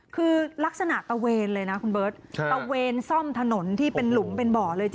คือลักษณะตะเวนเลยนะคุณเบิร์ตตะเวนซ่อมถนนที่เป็นหลุมเป็นบ่อเลย